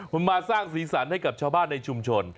มันมาสร้างสีสันให้กับชาวบ้านในชุมชน